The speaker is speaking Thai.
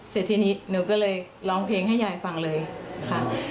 เสร็จทีนี้หนูก็เลยร้องเพลงให้ยายฟังเลยค่ะ